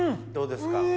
どうですか？